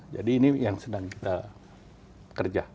jadi ini yang sedang kita kerja